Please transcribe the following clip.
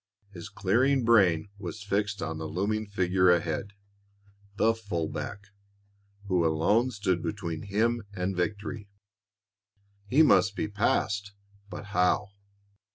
His clearing brain was fixed on the looming figure ahead, the full back, who alone stood between him and victory. He must be passed but how?